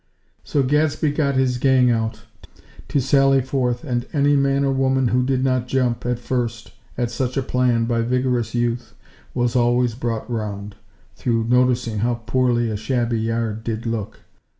So Gadsby got his "gang" out, to sally forth and any man or woman who did not jump, at first, at such a plan by vigorous Youth, was always brought around, through noticing how poorly a shabby yard did look.